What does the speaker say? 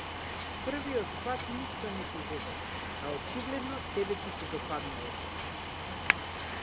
Првиот пат ништо не ти зедовме, а очигледно, тебе ти се допаднало тоа.